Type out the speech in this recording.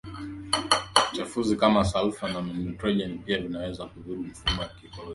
uchafuzi kama salfa na nitrojeni pia vinaweza kudhuru mifumo ya ikolojia